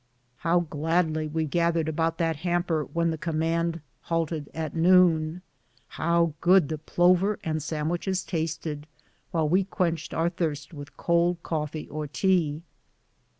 How gladly we gathered about that hamper when the com mand halted at noon ! How good the plover and sand wiches tasted, while we quenched our thirst with cold coffee or tea